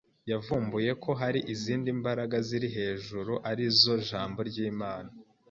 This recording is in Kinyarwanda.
yavumbuye ko hari izindi mbaraga ziri hejuru, ari zo jambo ry’Imana.